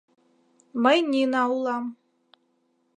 Мый Нина улам.